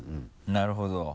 なるほど。